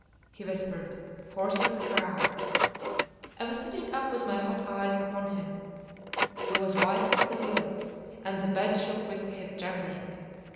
he whispered, hoarse as a crow. I was sitting up with my hot eyes upon him. He was white as the quilt, and the bed shook with his trembling.